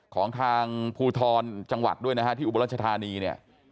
ของทางภูทรจังหวัดด้วยนะฮะที่อุบลรัชธานีเนี่ย